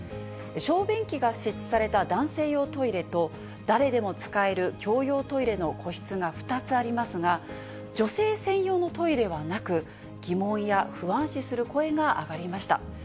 小便器が設置された男性用トイレと、誰でも使える共用トイレの個室が２つありますが、女性専用のトイレはなく、疑問や不安視する声が上がりました。